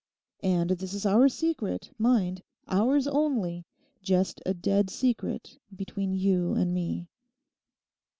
And this is our secret, mind; ours only; just a dead secret between you and me.